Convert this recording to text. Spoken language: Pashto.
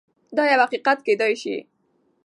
دا يو حقيقت کيدای شي.